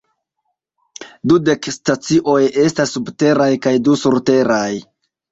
Dudek stacioj estas subteraj kaj du surteraj.